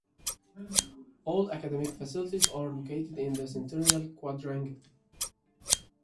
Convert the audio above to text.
All academic facilities are located in the Centennial Quadrangle.